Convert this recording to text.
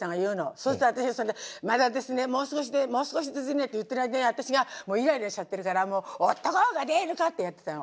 そうすると私はそれで「まだですねもう少しですね」って言ってる間に私がもうイライラしちゃってるから「男が出るか？」ってやってたの。